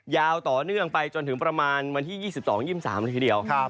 ยาวต่อเนื่องไปจนถึงประมาณวันที่๒๒๒๓เลยทีเดียว